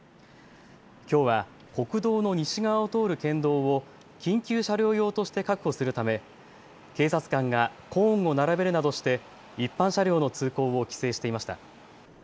きょうは国道の西側を通る県道を緊急車両用として確保するため警察官がコーンを並べるなどして一般車両の通行を規制していました。